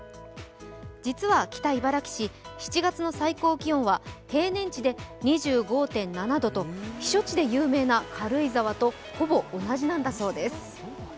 実は北茨城市、７月の最高気温は平年値で２５．７度と避暑地で有名な軽井沢とほぼ同じなんだそうです。